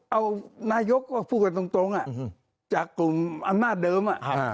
เอานายกพูดกันตรงจากกลุ่มอำนาจเดิม